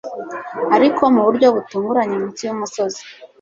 Ariko mu buryo butunguranye munsi yumusozi